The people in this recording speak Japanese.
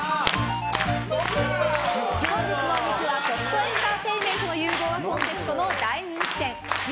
本日のお肉は食とエンターテインメントの融合がコンセプトの大人気店牛